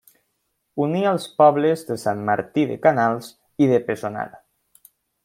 Unia els pobles de Sant Martí de Canals i de Pessonada.